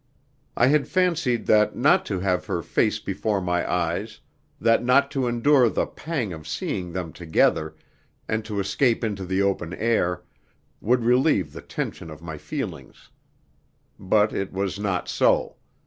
I had fancied that not to have her face before my eyes, that not to endure the pang of seeing them together, and to escape into the open air, would relieve the tension of my feelings. But it was not so.